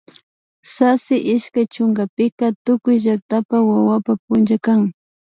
Sasi ishkay chunkapika tukuy llaktapak wawapa punlla kan